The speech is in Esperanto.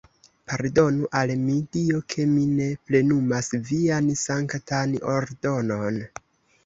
Pardonu al mi, Dio, ke mi ne plenumas vian sanktan ordonon!